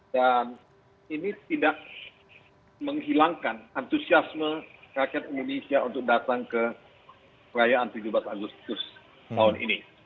dan ini tidak menghilangkan antusiasme rakyat indonesia untuk datang ke perayaan tujuh belas agustus tahun ini